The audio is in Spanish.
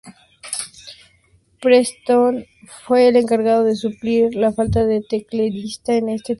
Preston fue el encargado de suplir la falta de un tecladista en este tour.